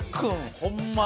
ホンマに。